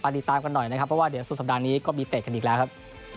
ติดตามกันหน่อยนะครับเพราะว่าเดี๋ยวสุดสัปดาห์นี้ก็มีเตะกันอีกแล้วครับ